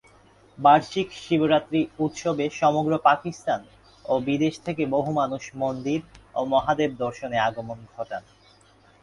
বার্ষিক শিবরাত্রি উৎসবে সমগ্র পাকিস্তান ও বিদেশ থেকে বহু মানুষ মন্দির ও মহাদেব দর্শনে আগমন ঘটান।